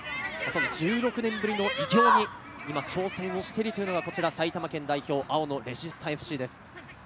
１６年ぶりの偉業に挑戦しようとしている、埼玉県代表・青のレジスタＦＣです。